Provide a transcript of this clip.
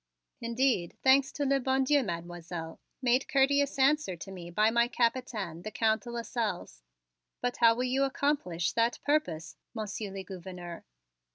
"Indeed, thanks to le bon Dieu, Mademoiselle," made courteous answer to me my Capitaine, the Count de Lasselles. "But how will you accomplish that purpose. Monsieur le Gouverneur?"